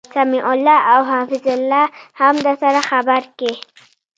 سمیع الله او حفیظ الله هم درسره خبرکی